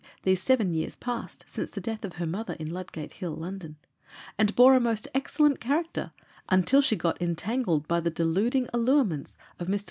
these seven years past, since the death of her mother in Ludgate Hill, London, and bore a most excellent character, until she got entangled by the deluding allurements of Mr L.